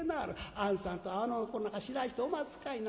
あんさんとあの子の仲知らん人おますかいな。